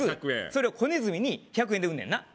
それを子ネズミに１００円で売んねんな